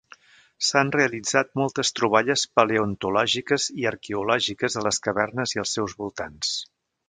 S'han realitzat moltes troballes paleontològiques i arqueològiques a les cavernes i als seus voltants.